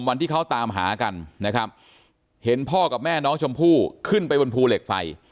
วันที่เขาตามหากันนะครับเห็นพ่อกับแม่น้องชมพู่ขึ้นไปบนภูเหล็กไฟ